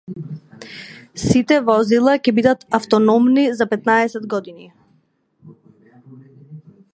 Сите возила ќе бидат автономни за петнаесет години.